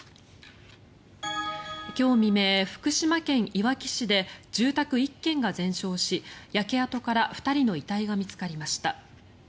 今日未明、福島県いわき市で住宅１軒が全焼し焼け跡から２人の遺体が見つかりました。